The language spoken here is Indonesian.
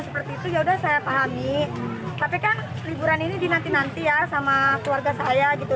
seperti itu yaudah saya pahami tapi kan liburan ini dinanti nanti ya sama keluarga saya gitu